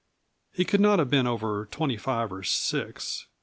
He could not have been over twenty five or six.